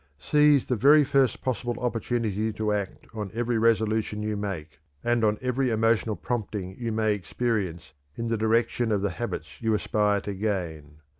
"Seize the very first possible opportunity to act on every resolution you make, and on every emotional prompting you may experience in the direction of the habits you aspire to gain.